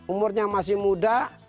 umurnya masih muda